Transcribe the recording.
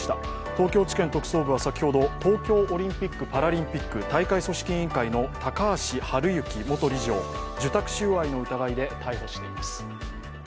東京地検特捜部は先ほど東京オリンピック・パラリンピック大会組織委員会の高橋治之元理事を受託収賄の疑いで逮捕しています。